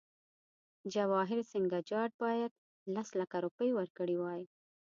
جواهرسینګه جاټ باید لس لکه روپۍ ورکړي وای.